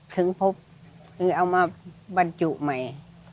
ถึงพบคือเอามาบรรจุใหม่